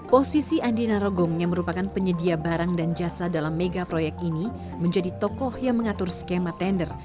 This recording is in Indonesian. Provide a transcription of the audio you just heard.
posisi andi narogong yang merupakan penyedia barang dan jasa dalam mega proyek ini menjadi tokoh yang mengatur skema tender